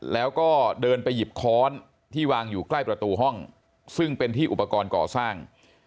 แล้วก็เดินไปหยิบค้อนที่วางอยู่ใกล้ประตูห้องซึ่งเป็นที่อุปกรณ์ก่อสร้าง